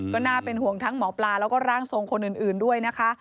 ก็น่าเป็นห่วงทั้งหมอปลาแล้วก็ร่างทรงคนอื่นด้วยนะคะ